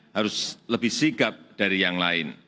harus lebih sigap dari yang lain